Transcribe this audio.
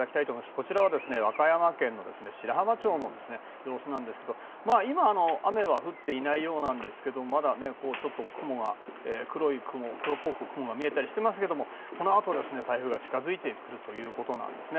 こちらは和歌山県の白浜町の様子なんですが今、雨は降っていないようですがまだ雲が黒っぽく見えたりしていますけどこのあと、台風が近付いてくるということですね。